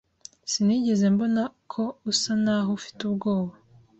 Sinigeze mbona ko usa naho ufite ubwoba.